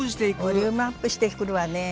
ボリュームアップしてくるわね。